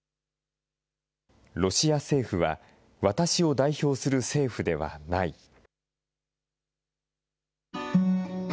ロシア政府は、私を代表する政府ではない。